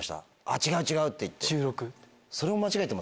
「違う違う」って言って。